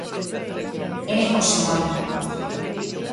É o seu ano.